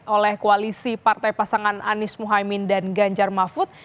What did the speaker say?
oleh koalisi partai pasangan anies mohaimin dan ganjar mahfud